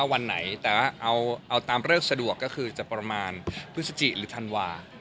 วันไหนแต่ว่าเอาตามเลิกสะดวกก็คือจะประมาณพฤศจิหรือธันวา